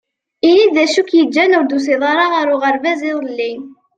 Ini-d d acu k-yeǧǧan ur d-tusiḍ ara ɣer uɣerbaz iḍelli.